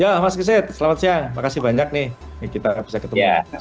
ya mas kiset selamat siang makasih banyak nih kita bisa ketemu